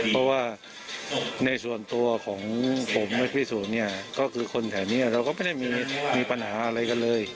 เพราะว่าในส่วนตัวของผมและพิสูจน์เนี่ยก็คือคนแถวนี้เราก็ไม่ได้มีปัญหาอะไรกันเลย